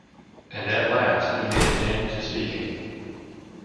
And at last he made an end to speaking.